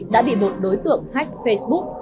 đã bị một đối tượng khách facebook